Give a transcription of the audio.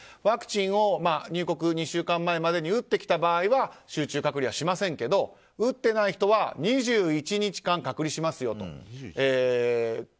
ワクチンを入国２週間前までに打ってきた場合は集中隔離はしませんけども打ってない人は２１日間隔離しますよと。